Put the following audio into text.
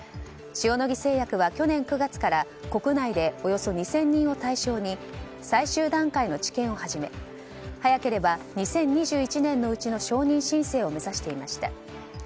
塩野義製薬は去年９月から国内でおよそ２０００人を対象に最終段階の治験を始め早ければ２０２１年のうちの承認申請を目指していました。